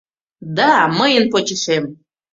Да мыйын почешем!